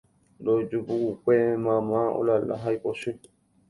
Roju pukukue mama olala ha ipochy